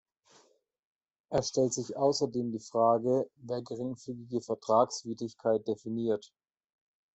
Es stellt sich außerdem die Frage, wer geringfügige Vertragswidrigkeit definiert.